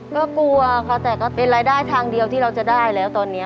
ก็กลัวค่ะแต่ก็เป็นรายได้ทางเดียวที่เราจะได้แล้วตอนนี้